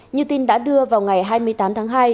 như tin đã đưa vào ngày hai mươi tám tháng hai